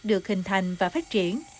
được hình thành và phát triển